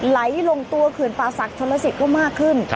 ไหลลงตัวเขื่อนป่าศักดิชนลสิตก็มากขึ้น